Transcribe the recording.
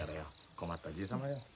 困ったじい様よ。